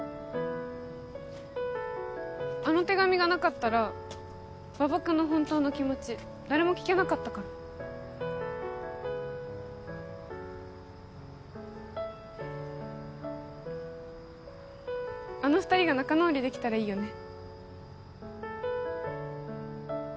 あの手紙がなかったら馬場君の本当の気持ち誰も聞けなかったからあの２人が仲直りできたらいいよね